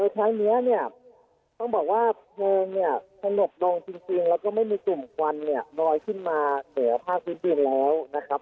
สนบลงจริงจริงแล้วก็ไม่มีกลุ่มคนเนี่ยมาที่มาเสียภาพจนจริงแล้วนะครับ